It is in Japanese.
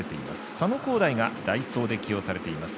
佐野皓大が代走で起用されてます。